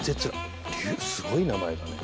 すごい名前だね。